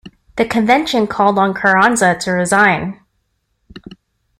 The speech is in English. The Convention called on Carranza to resign.